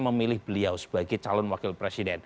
memilih beliau sebagai calon wakil presiden